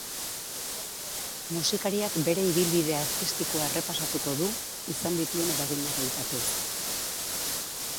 Musikariak bere ibilbide artistikoa errepasatuko du, izan dituen eraginak aipatuz.